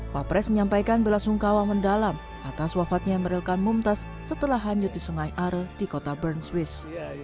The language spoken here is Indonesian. wapres menyampaikan belasungkawa mendalam atas wafatnya emeril kan mumtaz setelah hanyut di sungai are di kota bern swiss